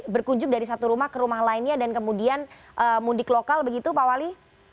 berkunjung dari satu rumah ke rumah lainnya dan kemudian mudik lokal begitu pak wali